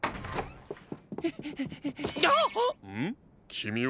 きみは？